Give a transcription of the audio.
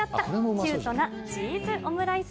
キュートなチーズオムライス。